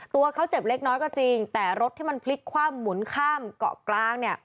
ตัวเขาเจ็บเล็กน้อยก็จริงแต่รถที่มันพลิกคว่ำหมุนข้ามเกาะกลางเนี่ย